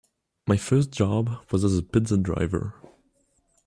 My first job was as a pizza driver.